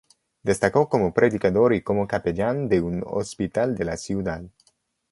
Destacó como predicador y como capellán de un hospital de la ciudad.